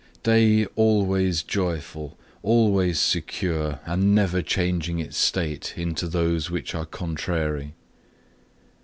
Day always joyful, always secure and never changing its state into those which are contrary.